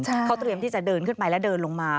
เขาเตรียมที่จะเดินขึ้นไปแล้วเดินลงมา